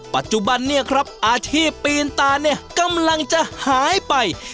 ปัจจุบันเนี่ยครับอาชีพปีนตาเนี่ยกำลังจะหายไป